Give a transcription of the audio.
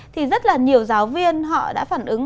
thì rất là nhiều giáo viên họ đã phản ứng